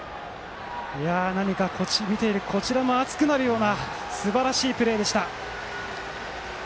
何か見ているこちらも熱くなるようなすばらしいプレーでした。